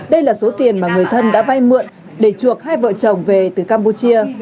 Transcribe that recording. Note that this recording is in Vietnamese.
đây là số tiền mà người thân đã vay mượn để chuộc hai vợ chồng về từ campuchia